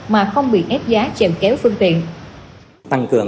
mà không bị ép giá chèo kéo phương tiện